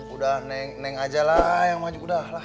sudah nek aja lah yang maju sudahlah